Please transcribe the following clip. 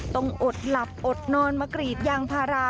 ต้องอดหลับอดนอนมากรีดยางพารา